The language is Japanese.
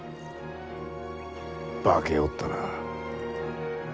化けおったな。